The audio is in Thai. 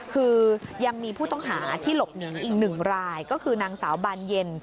คือยังมีผู้ต้องหาที่หลบหนีอีกหนึ่งรายก็คือนางสาวบานเย็น